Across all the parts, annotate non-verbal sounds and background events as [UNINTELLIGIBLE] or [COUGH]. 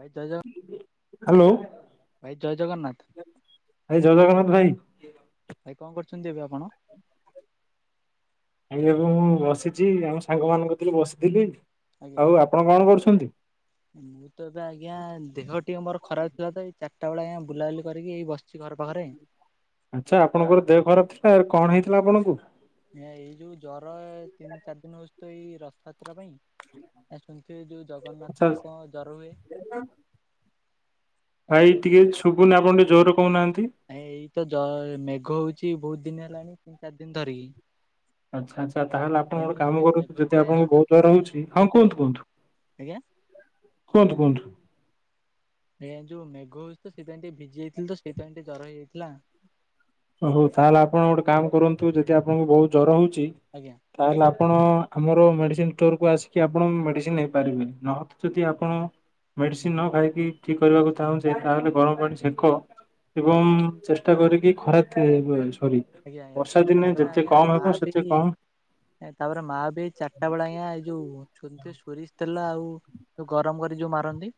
ଭାଇ ଜୟ ଜ ହ୍ୟାଲୋ ଭାଇ ଜୟ ଜଗନ୍ନାଥ। ଭାଇ ଜୟ ଜଗନ୍ନାଥ ଭାଇ। ଅଛନ୍ତି ଏବେ ଆପଣ। ଆ ଏବେ ମୁଁ ବସିଛି ଆମ ସାଙ୍ଗ ମାନଙ୍କ ଥିଲେ ବସଥିଲି। ଆଜ୍ଞା। ଆଉ ଆପଣ କଣ କରୁଛନ୍ତି? ମୁଁ ତ ଏବେ ଆଜ୍ଞା ଦେହ ଟିକେ ମୋର ଖରାପ ଥିଲା ତ ଚାରିଟା ବେଳେ ଆଜ୍ଞା ବୁଲାବୁଲି କରିକି ଏଇ ବସିଛି ଘର ପାଖରେ। ଆଚ୍ଛା ଆପଣଙ୍କର ଦେହ ଖରାପ ଥିଲା କଣ ହେଇଥିଲା ଆପଣଙ୍କୁ। ଏଇ ଯୋଉ ଜର ତିନି ଚାରି ଦିନ ହଉଛି ତ ଏଇ ରଥଯାତ୍ରା ପାଇଁ। ଆ ଶୁଣିଥିବେ ଯୋଉ ଆଚ୍ଛା ଜଗନ୍ନାଥଙ୍କ ଜର ହୁଏ। ଏ ଭାଇ ଟିକେ ଶୁଭୁନି ଆପଣ ଟିକେ ଜୋର ଆ ଏଇତ ଜ ମେଘ ହଉଛି ବହୁତ ଦିନ ହେଲାଣି ତିନି ଚାରି ଦିନି ଧରିକି। ଆଚ୍ଛା ଆଚ୍ଛା ତାହେଲେ ଆପଣ ତେଣୁ ଗୋଟେ ସେ କାମ କରନ୍ତୁ ମେଘଟି ଯଦି ଆଜ୍ଞା ଆପଣଙ୍କୁ ବହୁତ ଜର ଭିଜିଥିଲି ହଉଛି ହଁ ସେଥିପାଇଁ କୁହନ୍ତୁ କୁହନ୍ତୁ। ଆଜ୍ଞା। କୁହନ୍ତୁ କୁହନ୍ତୁ। ଆଜ୍ଞା ଯୋଉ ମେଘ ହଉଛି ତ ସେଇଥିପାଇଁ ଟିକେ ଭିଜି ଯାଇଥିଲି ତ ସେଇଥିପାଇଁ ଟିକେ ଜର ହେଇଯାଇଥିଲା। ହଉ ତାହେଲେ ଆପଣ ଗୋଟେ କାମ କରନ୍ତୁ ଯଦି ଆପଣଙ୍କୁ ବହୁତ ଜ୍ଵର ହଉଛି ଆଜ୍ଞା। ତାହେଲେ ଆପଣ। ଆମର ମେଡିସିନ ଷ୍ଟୋରକୁ ଆସିକି ଆପଣ ଉ ମେଡିସିନ ନେଇପାରିବେ ନହତ ଯଦି ଆପଣ। ଆଜ୍ଞା ମେଡିସିନ ନ ଖାଇକି ଠିକ୍ କରିବାକୁ ଚାହୁଁଚେ ତାହେଲେ। ଗରମ ପାଣି ଆଜ୍ଞା ସେକ ଏବଂ ଆଜ୍ଞା। ଚେଷ୍ଟା କରିକି ଖରା ତି। [UNINTELLIGIBLE] ଆଜ୍ଞା ଆଜ୍ଞା ବର୍ଷା ଦିନେ ଯେତେ କମ ହେବ ସେତେ କମ। ଏ ତାପରେ ମା ବି ଚାରିଟା ବେଳେ ଆଜ୍ଞା ଏଇ ଯୋଉ। ଛୁନ୍ତେ ସୋରିଷ ତେଲ ଆଉ ଗରମ କରି ଯୋଉ ମାରନ୍ତି।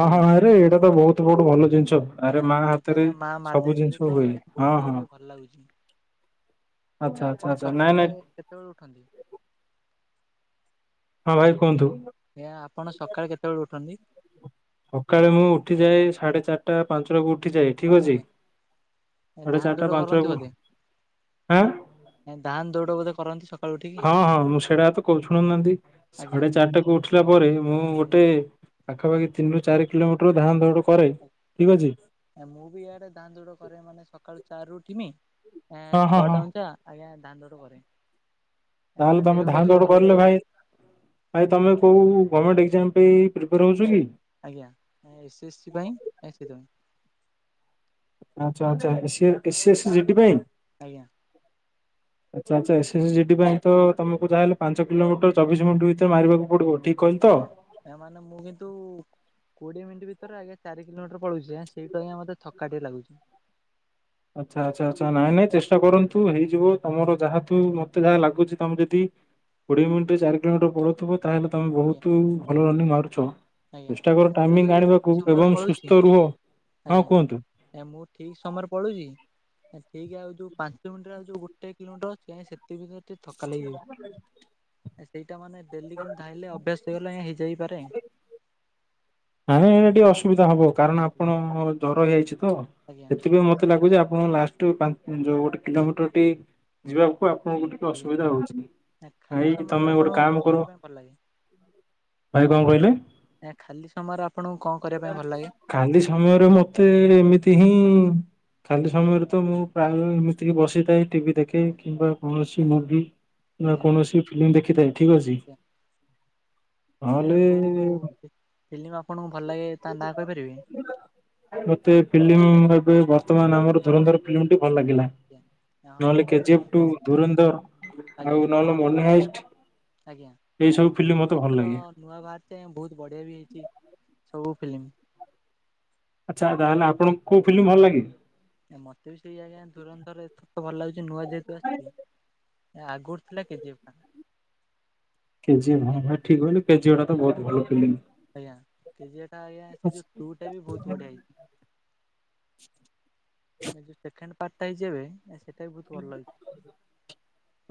ହଁ ହଁ ଆଜ୍ଞା ଆରେ ଏଇଟା ତ ବହୁତ ବଡ ଭଲ ଜିନିଷ। ଆଜ୍ଞା ଆରେ ମା ସେଇଟା ହାତରେ ଆଜ୍ଞା ମା ମାରି ସବୁ ଜିନିଷ ଦେଇଥିଲେ ତ ହୁଏ ଆଜ୍ଞା ହଁ ବହୁତ୍ ହି ହଁ ଏବେ ଭଲ ଲାଗୁଛି। ଆଚ୍ଛା ଆଚ୍ଛା ଆପଣ ଆଚ୍ଛା ନାଇଁ ସକାଳେ ନାଇଁ କେତେବେଳେ ଉଠନ୍ତି? ହଁ ଭାଇ କୁହନ୍ତୁ। ଆଜ୍ଞା ଆପଣ ସକାଳେ କେତେବେଳେ ଉଠନ୍ତି ସକାଳେ ମୁଁ ଉଠିଯାଏ ସାଢେ ଚାରିଟା ପାଞ୍ଚଟାକୁ ଉଠି ଯାଏ ଠିକ ଅଛି। ଆଜ୍ଞା ସାଢେ ଧାନ ଚାରିଟା ଦୌଡ କରନ୍ତି ପାଞ୍ଚଟାକୁ ବୋଧେ ଆଁ ଧାନ ଦୌଡ ବୋଧେ କରନ୍ତି ଶ ହଁ ହଁ ମୁଁ ସେଇଟା ତ କରୁ ଛୁଣୁନାହାନ୍ତି ଆଜ୍ଞା ସାଢେ ଚାରିଟା କୁ ଉଠିଲା ପରେ ମୁଁ ଆଜ୍ଞା ଗୋଟେ। ପାଖାପାଖି ତିନ ରୁ ଚାର କିଲୋମିଟର ଧାନ୍ ଦୌଡ। କରେ ଠିକ ଅଛି। ମୁଁ ବି ଇଆଡେ ଧାନ ଦୌଡ କରେ ମାନେ ସକାଳୁ ଚାରି ରୁ ଉଠିମି। ଏଁ ହଁ ହଁ ହଁ। ଛଅଟା ପଞ୍ଚା ଆଜ୍ଞା ଧାନ ଦୌଡ କରେ। ମାନେ ତାହେଲେ ଦେହ ତମେ ପା ଧାନ ଟିକେ ଦୌଡ ଭଲ କରିଲେ ରହିବ ଭାଇ ଭାଇ ତମେ କୋଉ। ଗମେଣ୍ଟ ଏକ୍ଜାମ ପାଇଁ ପ୍ରିପେୟାର ହଉଛ କି। ଆଜ୍ଞା ଏସ ଏସ ସି ପାଇଁ ଏସ [UNINTELLIGIBLE] ଆଚ୍ଛା ଆଚ୍ଛା AC A T C S G T ପାଇଁ। ଆଜ୍ଞା। [INAUDIBLE] ଆଚ୍ଛା ଆଚ୍ଛା ଏସ୍ ଏସ ଜି ଡି ପାଇଁ ତ ତମକୁ ଯା ହେଲେ ପାଞ୍ଚ କିଲୋମିଟର ଚବିଶ ମିନିଟ୍ ଭିତରେ ମାରିବାକୁ ପଡିବ। ଠିକ କହିଲି ତ? ଆଜ୍ଞା ଏ ମାନେ ମୁଁ କିନ୍ତୁ କୋଡିଏ ମିନିଟ୍ ଭି ରେ ଆଜ୍ଞା ଚାରି କିଲୋମିଟର ପଳଉଚି ଆଁ ସେଇଟା ହିଁ ମତେ ଥକା ଟିକେ ଲାଗୁଛି। ଆଚ୍ଛା ଆଚ୍ଛା ଆଚ୍ଛା ନାଇଁ ନାଇଁ ଚେଷ୍ଟା କରନ୍ତୁ ହେଇଯିବ ତମର ଯାହା ତୁ ମତେ ଯାହା ଲାଗୁଛି ତମେ ଯଦି କୋଡ଼ିଏ ମିନିଟରେ ଚାରି କିଲୋମିଟର ପଳଉଥିବୁ ତାହେଲେ ତମେ ଆଜ୍ଞା ବହୁତ ଭଲ ରନିଂ ମାରୁଛ। ଆଜ୍ଞା ଚେଷ୍ଟା କର ମାନେ ମୁଁ ଆଜ୍ଞା ଟାଇମିଙ୍ଗ ଆଣିବାକୁ ସମୟରେ ଏବଂ ପଳଉଛି ସୁସ୍ଥ ରୁହ। ହଁ ଆଜ୍ଞା କୁହନ୍ତୁ। ଏ ମୁଁ ଠିକ ସମୟରେ ପଳଉଚି। ଠିକ ଆଉ ଯୋଉ ପାଞ୍ଚ ମିନିଟ୍ ରେ ଆଉ ଯୋଉ ଗୋଟେ କିଲୋମିଟର ଅଛି ଆଜ୍ଞା ସେତିକି ଭିତରେ ଟିକେ ଥକା ଲାଗିଯାଉଛି। ସେଇଟା ମାନେ ଡେଲି କିନ୍ତି ଧାଇଁଲେ ଅଭ୍ୟାସ ହେଇଗଲେ ହେଇଯାଇପାରେ। ନାଇ ନ ନ ଟିକେ ଅସୁବିଧା ହବ କାରଣ ଆଜ୍ଞା ଆପଣ ଜର ହେଇଯାଇଛି ତ ଆଜ୍ଞା ସେଥିପାଇଁ ମତେ ଲାଗୁଛି ଆ ଆପଣ ଲାଷ୍ଟକୁ ପାଞ୍ଚ ଯୋଉ ଗୋଟେ କିଲୋମିଟରଟି ଯିବାକୁ ଆପଣଙ୍କୁ ଟିକେ ଆଜ୍ଞା। ଅସୁବିଧା ହଉଛି ଖାଲି ଭାଇ ସମୟରେ ତମେ ଗୋଟେ ଆପଣଙ୍କୁ କଣ କାମ କର କରିବା ପାଇଁ ଭଲ ଲାଗେ? ଭାଇ କଣ କହିଲେ? ଆଜ୍ଞା ଖାଲି ସମୟରେ ଆପଣଙ୍କୁ କଣ କରିବା ପାଇଁ ଭଲ ଲାଗେ? କାଲି ସମୟରେ ମତେ ଏମିତି ହିଁ ଖାଲି ସମୟରେ ତ ମୁଁ ପ୍ରାୟଃ ଏମିତି ବସିଥାଏ। ଟିଭି ଦେଖେ ଆଜ୍ଞା କିମ୍ବା ଆଜ୍ଞା କୌଣସି ମୁଭି ନା ଆଜ୍ଞା ଆଜ୍ଞା। କୌଣସି ଫିଲ୍ମ ଦେଖିଥାଏ ଠିକ ଅଛି। ତାହେଲେ ଫିଲିମ୍ ଆପଣଙ୍କୁ ଭଲ ଲାଗେ ତା ନା କହିପାରିବେନି? ମତେ ଫିଲ୍ମ ଏବେ ବର୍ତ୍ତମାନ ଆମର ଧୁରନ୍ଧର ଫିଲ୍ମଟି ଭଲ ଲାଗିଲା ଆଜ୍ଞା। ହଁ ନହେଲେ ଏବେ କେଜିଫ ବି ଟୁ ତ ଧୁରନ୍ଧର ଆଉ ଆଜ୍ଞା ନ ମନିହାଇଷ୍ଟ ଆଜ୍ଞା ଏ ଏଥର ନୂଆ ବାହାରୁଚି ବହୁତ ବଢିଆ ବି ହେଇଛି। କୋ ଫିଲ୍ମ? ଆଚ୍ଛା ତାହେଲେ ଆପଣଙ୍କୁ କୋଉ ଫିଲ୍ମ ଭଲ ଲାଗେ? ମତେ ବି ସେଇ ଆଜ୍ଞା ଧୁରନ୍ଧର ଏତ ତ ଭଲ ଲାଗୁଛି ନୂଆ ଯେହେତୁ ଆସିଛି। ଆଗୁର ଥିଲା କେ ଜି ଏଫ୍। କେଜିଏଫ୍ ଭାଇ ଠିକ କହିଲି କେଜିଏଫ୍ ଟା ତ ବହୁତ ଭଲ ଫିଲିମ୍। ଆଜ୍ଞା କେଜିଏଫ୍ ଟା ଆଜ୍ଞା ସେ ଯୋଉ ଟୁ ଟା ବି ବହୁତ ବଢିଆ ହେଇଛି। ଯୋଉ ସେକେଣ୍ଡ ପାର୍ଟ ଟା ହେଇଛି ଏବେ ସେଇଟା ବି ବହୁତ ଭଲ ହେଇଛି।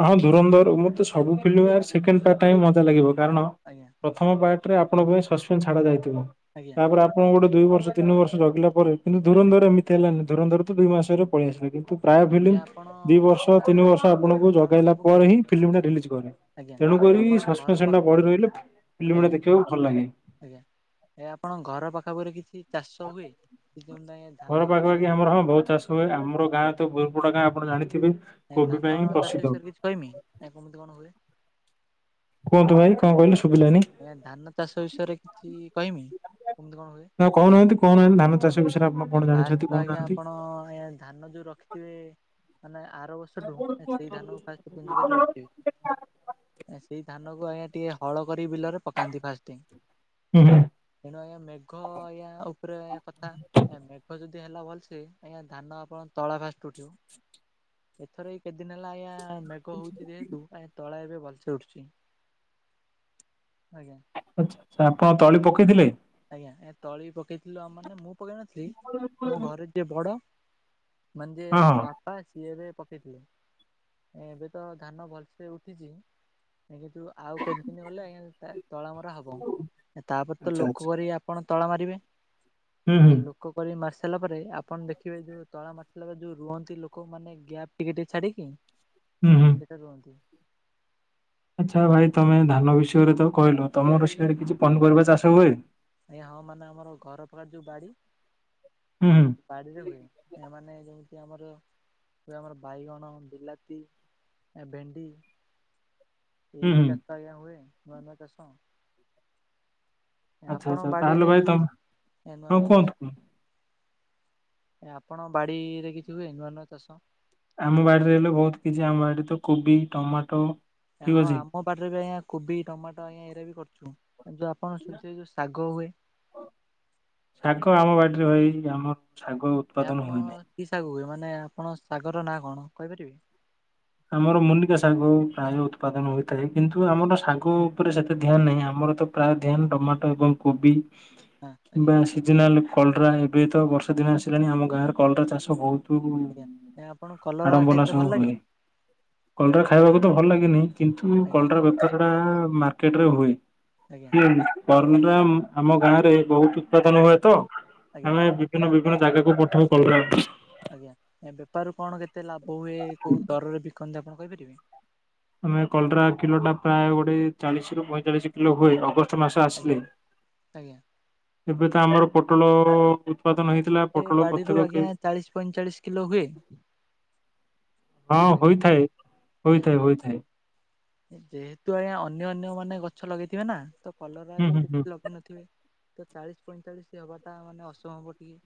ହଁ ଧୁରନ୍ଧର ମତେ ସବୁ ଫିଲ୍ମ ଗୁଡ଼ା ସେକେଣ୍ଡ ପାର୍ଟ ଟା ହିଁ ମଜା ଲାଗେ ବହୁତ୍ କାରଣ ଆଜ୍ଞା ପ୍ରଥମ ପାର୍ଟ ରେ ଆପଣଙ୍କ ପାଇଁ ସସ୍ପେନ୍ ଛାଡି ଯାଇଥିବ ଆଜ୍ଞା ତାପରେ ଆପଣ ଗୋଟେ ଦୁଇ ବର୍ଷ ତିନି ବର୍ଷଗିଲ ପରେ କିନ୍ତୁ ଆଜ୍ଞା। ଧୁରନ୍ଧର ଏମିତି ହେଲାନି ଧୁରନ୍ଧର ତ ଦୁଇ ମାସରେ ପଳେଇଆସିଲା କି ପ୍ରାୟ ଫିଲ୍ମ ଏହା ଆପଣ ଦି ମାନେ ବର୍ଷ ତିନି ବର୍ଷ ଆପଣଙ୍କ ଆପଣଙ୍କୁ ଘର ଜ ପାଖାପାଖିରେ ପରେ ହିଁ ଫିଲିମ୍ ଟା ରିଲିଜ କରେ ଆଜ୍ଞା ତେଣୁକରି ଆପଣଙ୍କ ଘର ସସ୍ପେସ ପାଖ ଟା ବଢ଼ି ରହିଲେ ଫିଲ୍ମ ଗୁଡା ଆଜ୍ଞା ଦେଖିବାକୁ ଭଲ ଲାଗେ। ଆଜ୍ଞା। ଏ ଆପଣଙ୍କ ଘର ପାଖାପରେ କିଛି ଚାଷ ହୁଏ? [UNINTELLIGIBLE] ଘର ଧାନ ଚାଷ ପାଖାପାଖି ଆମର ହଁ ବହୁତ ଚାଷ ହୁଏ ଆମର ଗାଁ ତ ବୋଲପୁରା ଗାଁ ଆପଣ ଜାଣିଥିବେ। ଏ କୋବି ପାଇଁ ଧାନ ଚାଷ ପ୍ରସିଦ୍ଧ ବିଷୟରେ କିଛି କହମି ଏ କେମିତି କଣ ହୁଏ? କୁହନ୍ତୁ ଭାଇ କଣ କହିଲେ ଶୁ ଏ ଧାନ ଚାଷ ବିଷୟରେ କିଛି କହିମି? କେମିତି କଣ ହୁଏ ହଁ କହୁ ନାହାନ୍ତି କହୁ ନାହାନ୍ତି ଧାନ ଚାଷ ବିଷୟ ଫାଷ୍ଟ ତ ଆଜ୍ଞା ଆପଣ ଧାନ ଯୋଉ ରଖିଥିବେ ମାନେ ବର୍ଷଠୁ ସେଇ ଧାନ ଫାଷ୍ଟ ପୁଞ୍ଜି କରି ରଖିଥିବେ ସେଇ ଧାନକୁ ଆଜ୍ଞା ଟିକେ ହଳ କରି ବିଲରେ ପକାନ୍ତି ଫାଷ୍ଟେ ହୁଁ ହୁଁ। ନ ମେଘ ଆଜ୍ଞା ଉପରେ କଥା ଏ ମେଘ ଯଦି ହେଲା ଭଲସେ ଆଜ୍ଞା ଧାନ ଆପଣ ତଳା ଫାଷ୍ଟ ଉଠିବ। ଏଥର ଏଇ କେଦିନ ହେଲା ଆଜ୍ଞା ଆ ମେଘ ହଉଛି ଯେହେତୁ, ଆଁ ତଳା ଏବେ ଭଲସେ ଉଠୁଛି। ଆଜ୍ଞା। ଆଛା, ଆଛା, ଆପଣ ତଳି ପକେଇଥିଲେ? ଆଜ୍ଞା, ଏ ତଳି ପକେଇଥିଲୁ ଆମର ନା ମୁଁ ପକେଇ ନଥିଲି ହଁ ହଁ ଆମ ଘରେ ଯିଏ ବଡ ମାନେ ଯିଏ ମୋ ବାପା ସିଏ ଏବେ ପକେଇଥିଲେ। ଏବେ ତ ଧାନ ଭଲସେ ଉଠିଛି। ଣି କିନ୍ତୁ ଆଉ କେତେ ଦିନ ଗଲେ ଆଜ୍ଞା ତା ତଳ ମରା ହବ ତାପରେ ତ ଆଚ୍ଛା ଲୋ ଆଚ୍ଛା। ରି ଆପଣ ତଳ ମାରିବେ। ହୁଁ ହୁଁ ଲୋକ କରି ମସ୍ ସାରିଲା ପରେ ଆପଣ ଦେଖିବେ ଯୋଉ ତଳା ମାରି ସାରିଲା ପରେ ଯୋଉ ରୁଅନ୍ତି ଲୋକ ମାନେ ଗ୍ୟାପ୍ ଟିକେ ଟିକେ ଛାଡିକି ହୁଁ ହଁ, ହୁଁ। ସେଟା ରୁଅନ୍ତି। ଆଚ୍ଛା, ଭାଇ ତମେ ଧାନ ବିଷୟରେ ତ କହିଲ ତମର ସିଆଡେ କିଛି ପନିପରିବା ଚାଷ ହୁଏ। ଆଜ୍ଞା ହଁ, ମାନେ ଆମର ଘର ପାଖରେ ଯୋଉ ବାଡି ହୁଁ ହୁଁ ବାଡିରେ ହୁଏ ଏ ମାନେ ଯେମତି ଆମର ତାପରେ ଆମର ବାଇଗଣ, ବିଲାତି ଏ ଭେଣ୍ଡି ହୁଁ ଏଇ ହୁଁ। ଚାଷ ଆଜ୍ଞା ହୁଏ ନୂଆ ନୂଆ ଚାଷ। ଆଚ୍ଛା, ଆପଣ ଆଚ୍ଛା, ତାହେଲେ ବାଡିରେ ଭାଇ କିଛି ତମ ର କ'ଣ ଆପଣଙ୍କ ବାଡିରେ କିଛି ହୁଏ ନୂଆ ନୂଆ ଚାଷ? ଆମ ବାଡିରେ ହେଲେ ବହୁତ କିଛି ଆମ ବାଡିରେ ତ କୋବି, ଟମାଟୋ ଆଁ ଠିକ ହଁ, ଅଛି ଆମ ବାଡ଼ିରେ ବି ଆଜ୍ଞା କୋବି ଟମାଟୋ ଆଜ୍ଞା ଏଇରା ବି କରୁଛୁ। ଯୋଉ ଆପଣ ଶୁଣିଥିବେ ଯୋଉ ଶାଗ ହୁଏ। ରେ ଭାଇ ଆମର ଶାଗ ଉତ୍ପାଦନ ହୁଏ ନାହିଁ। ନାଇ ଆପଣ ଶାଗର ନାଆ କଣ କହିପାରିବେ? ଆମର ମୁର୍ଣ୍ଣକା ଶାଗ ପ୍ରାୟ ଉତ୍ପାଦନ ହୋଇଥାଏ, କିନ୍ତୁ ଆମର ଶାଗ ଉପରେ ସେତେ ଧ୍ୟାନ ନାହିଁ। ଆ ମର ତ ପ୍ରାୟ ଧ୍ୟାନ ଟମାଟୋ ଏବଂ କୋବି ହଁ ଆଜ୍ଞା କିମ୍ବା ସିଜନାଲ କଲରା ଏବେ ତ ବର୍ଷା ଦିନ ଆଜ୍ଞା ଆସିଲାଣି ଆମ ଗାଁରେ କଲରା ଚାଷ ବହୁତ ହୁଉ ଆଜ୍ଞା ଆପଣ କଲରା ଆଡ଼ମ୍ବନା ଖାଇତେ ଭଲ ସହ ଲାଗେ ହୁଏ। କଲରା ଖାଇବାକୁ ତ ଭଲ ଲାଗେନି କିନ୍ତୁ ଆଜ୍ଞା କଲରା ବେପାର ଟା ମାର୍କେଟ ରେ ହୁଏ। ଆଜ୍ଞା [UNINTELLIGIBLE] କଲରା ଆମ ଗାଁ ରେ ବହୁତ ଉତ୍ପାଦନ ଆଜ୍ଞା ହୁଏ ତ ଆଜ୍ଞା ଆମେ ବିଭିନ୍ନ ବିଭିନ୍ନ ଜାଗାକୁ ପଠାଉ କଲରା। ଆଜ୍ଞା ବେପାରରୁ କ'ଣ ଯେ ଆପଣ କହିପାରିବେ? ହୁଁ, କଲରା କିଲୋ ଟା ପ୍ରାୟ ଗୋଟେ ଚାଳିଶ ରୁ ପଇଁଚାଳିଶ କିଲୋ ହୁଏ ଅଗ ଷ୍ଟ ମାସ ଆଜ୍ଞା ଆସିଲେ। ଆଜ୍ଞା ଏବେ ତ ଆମର ପୋଟଳ ଉତ୍ପାଦନ ଏମାନେ ହେଇଥିଲା ଗୋଟେ ପୋଟଳ ପ୍ରତ୍ୟେକ ବାଡିରୁୁ କେ ଆଜ୍ଞା ଚାଳିଶ ପଇଁଚାଳିଶ କିଲୋ ହୁଏ? ହଁ, ଆଜ୍ଞା ହୋଇଥାଏ ଆଜ୍ଞା। ହୋଇଥାଏ ହୋଇଥାଏ। ଯେହେତୁ ଆଜ୍ଞା ଅନ୍ୟ ଅନ୍ୟ ମାନେ ଗଛ ଲଗେଇଥିବେ ନା ତ କଲରା ହୁଁ ବି ହୁଁ ହୁଁ ଲଗେଇ ନଥିବେ। ତ ଚାଳିଶ ପଇଁଚାଳିଶ ହବାଟା ମାନେ ଅସମ୍ଭବ ଟିକେ।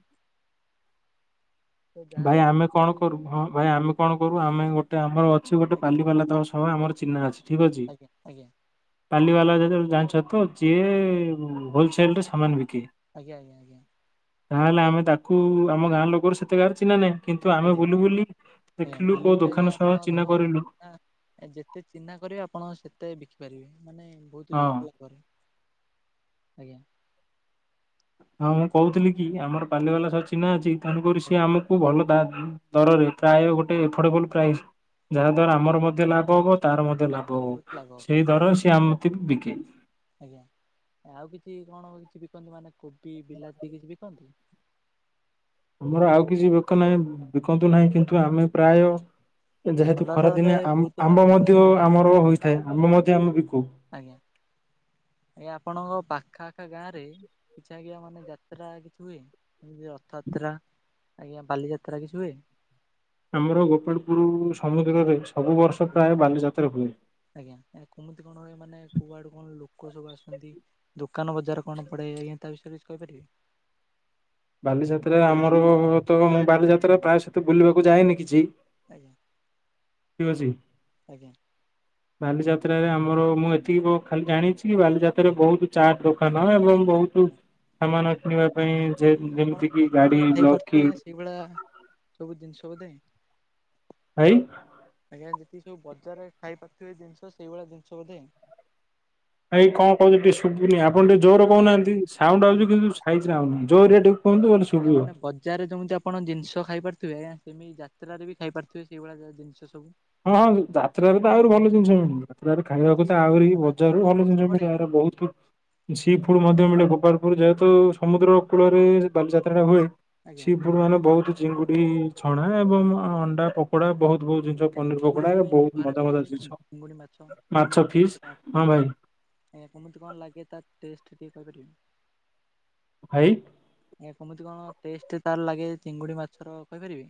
ତ ଯାହାର ଭାଇ ଆମେ କଣ ଯେତିକି କରୁ ହଁ ଭାଇ ଆମେ କଣ କରୁ ଆମେ ଗୋଟେ ଆମର ଅଛି ଗୋଟେ ପାଲିବାଲାତବ ସଭା ଆମର ଆଜ୍ଞା, ଆଜ୍ଞା। ପାଲି ବାଲା ଯେତେବେଳେ ଜାଣିଛ ତ ଯିଏ ହୋଲସେଲ ରେ ସାମାନ ବିକେ। ଆଜ୍ଞା, ଆଜ୍ଞା, ଆଜ୍ଞା। ତାହେଲେ ଆମେ ତାକୁ ଆମ ଗାଁ ଲୋକର ସେତେ କାହାର ଚିହ୍ନା ନାହିଁ କିନ୍ତୁ ଆମେ ବୁଲି ବୁଲି ଆଜ୍ଞା ଦେଖିଲୁ ବୁଲି କୋଉ ବୁଲି ଆଜ୍ଞା ଦୋକାନ ସହ ଆପଣଙ୍କର ଚିହ୍ନା କରିଲୁ। ଚିହ୍ନା ଯେତେ ଚିହ୍ନା କରିବେ ଆପଣ ସେତେ ବିକି ପାରିବେ ମାନେ ବହୁତ ହଁ ଇଏ ଫିଏ କରେ ଆଜ୍ଞା। ହଁ, ମୁଁ କହୁଥିଲି କି ଆମର ପାଲି ବାଲା ସହ ଚିହ୍ନା ଅଛି ତେଣୁକରି ସିଏ ଆମକୁ ଭଲ ବା ଦରରେ ପ୍ରାୟ ଗୋଟେ ଆଫୋର୍ଡବଲ ପ୍ରାଇଜ୍ ଯାହା ଦ୍ଵାରା ଆମର ମଧ୍ୟ ଲାଭ ହବ ତାର ମଧ୍ୟ ତାଙ୍କର ଲାଭ ବି ହବ। ବହୁତ ଲାଭ ହବ ସେଇ ଆଜ୍ଞା ଦରରେ ସିଏ ଆମ ମତେ ବିକେ। ଆଜ୍ଞା, ଆଉ କିଛି କଣ ହଉଛି କି କନ୍ତି ମାନେ କୋବି ବିଲାତି କିଛି ବିକନ୍ତି? ଆମର ଆଉ କିଛି ବେକ ନାହିଁ ବିକନ୍ତୁ ନାହିଁ କିନ୍ତୁ ଆମେ ପ୍ରାୟ ଯେହେତୁ କଲରାରେ ଖରାଦିନେ ବହୁତ ଆମ୍ବ ଲାଭ ମଧ୍ୟ କରନ୍ତି ବୋଧେ ଆମର ହୋଇଥାଏ ଆମ୍ବ ମଧ୍ୟ ଆମେ ବିକୁ। ଆଜ୍ଞା ଆଜ୍ଞା ଆପଣଙ୍କ ପାଖ ଆଖା ଗାଁ ରେ କିଛି ଆଜ୍ଞା ମାନେ ଯାତ୍ରା କିଛି ହୁଏ ଯେମିତି ରଥଯାତ୍ରା ଆଜ୍ଞା ବାଲିଯାତ୍ରା କିଛି ହୁଏ ଆମର ଗୋପାଳପୁର ସମୁଦ୍ରରେ ସବୁ ବର୍ଷ ଆଜ୍ଞା ପ୍ରାୟ ବାଲିଯାତ୍ରା ହୁଏ। ଆଜ୍ଞା କମିତି କଣ ହୁଏ ମାନେ କୁଆଡୁ କଣ ଲୋକ କୋଉ ସବୁ ଆସୁଛନ୍ତି ଦୋକାନ ବଜାର କଣ ପଡେ ଆଜ୍ଞା ତା ବିଷୟରେ କିଛି କହିପାରିବେ ବାଲିଯାତ୍ରାରେ ଆମର ତ ମୁଁ ବାଲିଯାତ୍ରା ପ୍ରାୟ ସେତ ବୁଲିବାକୁ ଯାଏନି କିଛି ଆଜ୍ଞା ଠିକ୍ ଅଛି ଆଜ୍ଞା! ବାଲିଯାତ୍ରାରେ ଆମର ମୁଁ ଏତିକି ଖାଲି ଜାଣିଛି କି ବାଲିଯାତ୍ରାରେ ବହୁତ ଚାଟ ଦୋକାନ ଏବଂ ବହୁତୁ ଆଜ୍ଞା। ସାମାନ କିଣିବା ପାଇଁ ଯେ ଯେମିତି ଆପଣ କିି ବଜାରେ ଗାଡି ଲକି ଖାଇପାରୁଥିବେ ସେଇଭଳିଆ ସବୁ ଜିନିଷ ବୋଧେ ଭାଇ ଆଜ୍ଞା! ଯେତିକି ସବୁ ବଜାରରେ ଖାଇ ପାରୁଥିବେ ଜିନିଷ ସେଇଭଳିଆ ଜିନିଷ ବୋଧେ ଭାଇ କଣ କହୁଛ ଟିକେ ଶୁୁଭୁନି ଆପଣ ଟିକେ ଜୋର ଆଜ୍ଞା ମାନେ କହୁନାହାନ୍ତି ସାଉଣ୍ଡ ଆଜ୍ଞା ଆଉଛି କିନ୍ତୁ ସାଇଜରେ ଆଉନି ଜୋରେଡ଼ୁ ଆଜ୍ଞା! ମାନେ ବଜାରରେ ଯେମିତି ଆପଣ ଜିନିଷ ଖାଇ ପାରୁଥିବେ ଆଜ୍ଞା! ଯେମିତି ଯାତ୍ରାରେ ବି ଖାଇପାରୁଥିବେ ସେଇଭଳିଆ ଜିନିଷ ସବୁ ହଁ, ହଁ ଯାତ୍ରାରେ ତ ଆହୁରି ଭଲ ଜିନିଷ ମିଳୁ ତ୍ରାରେ ଖାଇବାକୁ କିଛି ତ ଆହୁରି ନୂଆ ବଜାରରୁ ଧୂଳି ଭଲ କିଛି ଜିନିଷ ମି ପଡେ ବହୁତ ଫୁଡ୍ ମଧ୍ୟ ମିଳେ ଗୋପାଳପୁର ଯେହେତୁ ସମୁଦ୍ର କୂଳରେ ବାଲିଯାତ୍ରାଟା ହୁଏ ଆଜ୍ଞା ସିପରୁ ମାନେ ବହୁତ ଚିଙ୍ଗୁଡି ଛଣା ଏବଂ ଅଣ୍ଡା ପକୋଡା ବହୁତ ବହୁତ ଜି ପନିର ଚିଙ୍ଗୁଡି ପକୋଡା ଏ କେବେ ବହୁତ ଘରେ ମଜା କରି ମଜା ଖାଇଛନ୍ତି ଜିନିଷ ଚିଙ୍ଗୁଡି ମାଛ? କିମ୍ବା ମାଛ ଛୋଟ ଫିସ୍ ଛୋଟ ମାଛ ହଁ, ଭାଇ ଆଜ୍ଞା! କେମିତି କଣ ଲାଗେ ତା ଟେଷ୍ଟ ଟିକେ କହିପାରିବେ? ଭାଇ ଆଜ୍ଞା! କମିତି କଣ ଟେଷ୍ଟ ତାର ଲାଗେ ଚିଙ୍ଗୁଡି ମାଛର କହିପାରିବେ?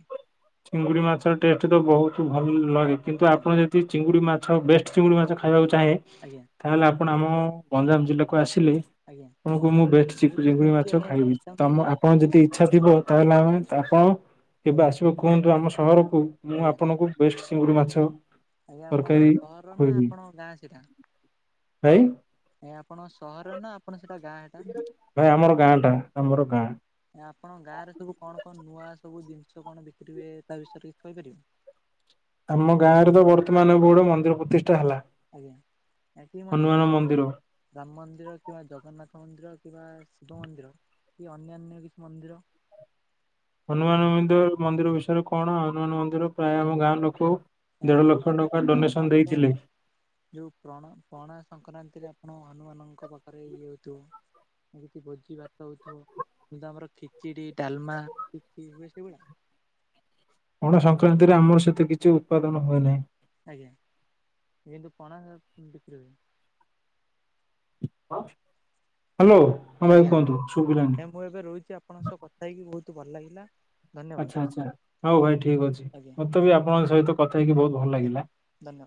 ଚିଙ୍ଗୁଡି ମାଛ ଟେଷ୍ଟ ତ ବହୁତ ଭଲ ଲାଗେ କିନ୍ତୁ ଆଜ୍ଞା ଆପଣ ଯଦି ଚିଙ୍ଗୁଡି ମାଛ ବେଷ୍ଟ ଚିଙ୍ଗୁଡି ମାଛ ଖାଇବାକୁ ଚାହେଁ ଆଜ୍ଞା ତାହେଲେ ଆପଣ ଆମ ଗଞ୍ଜାମ ଜିଲ୍ଲାକୁ ଆସିଲେ ଆଜ୍ଞା ଆପଣଙ୍କୁ ମୁଁ ବେଷ୍ଟ ଚିକୁଡ଼ି ତ ଚିଙ୍ଗୁଡ଼ି ଶୁଣିଛି ମାଛ ଆଜ୍ଞା ଖାଇବି ଗଞ୍ଜାମ ତମ ଜିଲ୍ଲା ଆପଣ ବହୁତ ଯଦି ଇଚ୍ଛା ଥିବ ତାହେଲେ ଆମେ ଆପଣ କେବେ ଆସିବ କୁହନ୍ତୁ ଆମ ସହରକୁ ମୁଁ ଆଜ୍ଞା ଆପଣଙ୍କୁ ବେଷ୍ଟ ଚିଙ୍ଗୁଡ଼ି ମାଛ ଆଜ୍ଞା! ଆପଣ ତରକାରୀ ସହର ନା ଖୋଇବି ଆପଣଙ୍କ ଗାଁ ସେଟା? ଭାଇ ଆଜ୍ଞା! ଆପଣଙ୍କ ସହର ନା ଆପଣ ସେ ଗାଁ ଏଟା ଭାଇ ଆମର ଗାଁ ଟା ଆମର ଗାଁ ଆପଣ ଗାଁ ରେ ସବୁ କଣ କଣ ନୂଆ ସବୁ ଜିନିଷ କଣ ବିକ୍ରି ହୁଏ ତା ବିଷୟରେ କିଛି କହିପାରିବେ? ଆମ ଗାଁରେ ତ ବର୍ତ୍ତମାନ ଗୋଟେ ମନ୍ଦିର ପ୍ରତିଷ୍ଠା ହେଲା। ଆଜ୍ଞା କି ମନ୍ଦିର ରାମ ମନ୍ଦିର କିମ୍ବା ଜଗନ୍ନାଥ ମନ୍ଦିର କିମ୍ବା ଶିବ ମନ୍ଦିର କି ଅନ୍ୟାନ୍ୟ କିଛି ମନ୍ଦିର? ହନୁମାନ ମନ୍ଦିର ମନ୍ଦିର ବିଷୟରେ କଣ ହନୁମାନ ମନ୍ଦିର ପ୍ରାୟ ଆମ ଗାଁ ଲୋକ ଆଜ୍ଞା! ଦେଢ ଲକ୍ଷ ହନୁମାନ ଟଙ୍କା ମନ୍ଦିର ଡୋନେସନ ଆପଣଙ୍କ ଦେଇଥିଲେ ଯୋଉ ପ୍ରଣ ପଣା ସଂକ୍ରାନ୍ତିରେ ଆପଣ ହନୁମାନଙ୍କ ପାଖରେ ଇଏ ହୋଇଥିବ କିଛି ଭୋଜି ଭାତ ହୋଇଥିବ କିନ୍ତୁ ଆମର ଖିଚିଡି, ଡାଲମା ପଣା ସଂକ୍ରାନ୍ତିରେ ଆମର ସେଥିରୁ କିଛି ଉତ୍ପାଦନ ହୁଏ ନାହିଁ। ଆଜ୍ଞା! କିନ୍ତୁ ପଣା ବି ହଁ, ହ୍ୟାଲୋ ଭାଇ ଆଜ୍ଞା! କୁହନ୍ତୁ ଶୁଭିଲାନି ମୁଁ ଏବେ ରହୁଚି ଆପଣଙ୍କ ସହ କଥା ହେଇକି ବହୁତ ଭଲ ଲାଗିଲା। ଆଚ୍ଛା! ଧନ୍ୟବାଦ। ଆଚ୍ଛା! ହଉ ଭାଇ ଠିକ୍ ଅଛି ଆଜ୍ଞା ମତେ ବି ଆପଣଙ୍କ ସହିତ କଥା ହେଉକି ବହୁତ ଭଲ ଆଜ୍ଞା ଲାଗିଲା। ଧନ୍ୟବାଦ।